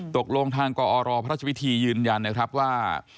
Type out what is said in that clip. ตกลงทางกรพรพิธียืนยันว่า